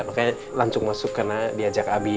makanya langsung masuk karena diajak abi